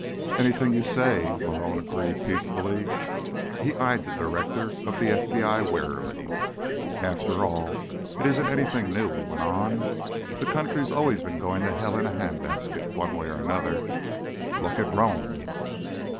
"Anything you say," Malone agreed peacefully. He eyed the Director of the FBI warily. "After all, it isn't anything new," he went on. "The country's always been going to hell in a handbasket, one way or another. Look at Rome."